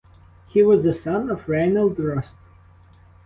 He was the son of Reinhold Rost.